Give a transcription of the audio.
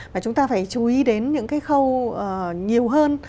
và chúng ta phải chú ý đến những cái khâu nhiều hơn